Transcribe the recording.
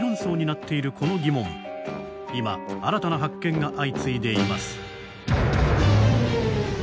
今新たな発見が相次いでいます。